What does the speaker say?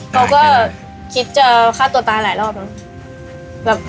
เขาก็คิดจะฆ่าตัวตายหลายรอบเนอะ